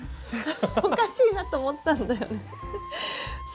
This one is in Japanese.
おかしいなと思ったんだよね。